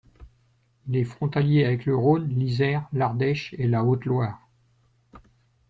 Il est frontalier avec le Rhône, l'Isère, l'Ardèche et la Haute-Loire.